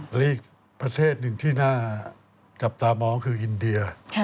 และอีกประเทศหนึ่งที่น่าจับตามองคืออินเดีย